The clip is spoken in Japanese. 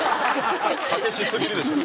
たけしすぎるでしょ。